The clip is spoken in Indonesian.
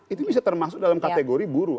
itu bisa termasuk dalam kategori buruh